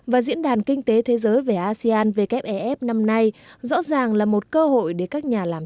và diễn đàn kinh tế thế giới về asean wfef năm nay rõ ràng là một cơ hội để các nhà làm